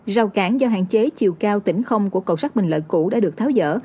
rào cản do hạn chế chiều cao tỉnh không của cầu sát bình lợi cũ đã được tháo dỡ